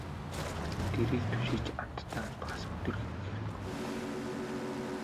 Дэрийг түшиж амттай унтахаас өдөр хэрэг үгүй.